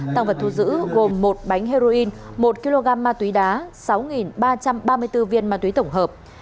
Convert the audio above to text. tăng vật thu giữ gồm một bánh heroin một kg ma túy đá sáu ba trăm ba mươi bốn viên ma túy tổng hợp